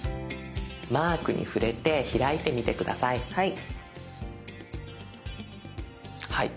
マークに触れて開いてみて下さい。